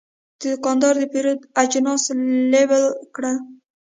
دا دوکاندار د پیرود اجناس لیبل کړل.